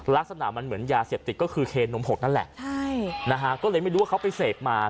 ลักษณะมันเหมือนยาเสพติดก็คือเคนนมผกนั่นแหละใช่นะฮะก็เลยไม่รู้ว่าเขาไปเสพมา